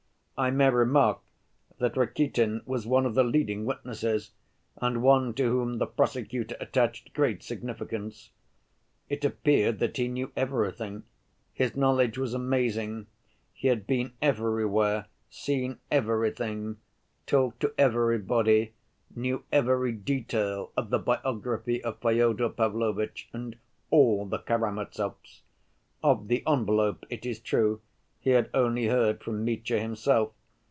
I may remark that Rakitin was one of the leading witnesses and one to whom the prosecutor attached great significance. It appeared that he knew everything; his knowledge was amazing, he had been everywhere, seen everything, talked to everybody, knew every detail of the biography of Fyodor Pavlovitch and all the Karamazovs. Of the envelope, it is true, he had only heard from Mitya himself.